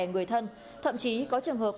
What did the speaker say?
người thân thậm chí có trường hợp